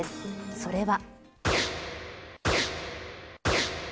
それは。